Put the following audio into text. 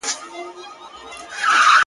نه ، نه داسي نه ده,